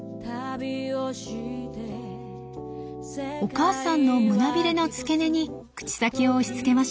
お母さんの胸びれの付け根に口先を押しつけました。